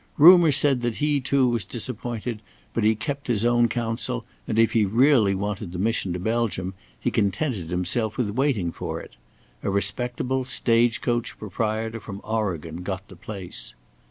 Rumour said that he too was disappointed, but he kept his own counsel, and, if he really wanted the mission to Belgium, he contented himself with waiting for it. A respectable stage coach proprietor from Oregon got the place.